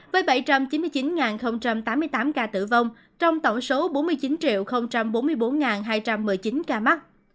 với bảy trăm chín mươi chín tám mươi tám ca tử vong trong tổng số bốn mươi chín bốn mươi bốn hai trăm một mươi chín ca mắc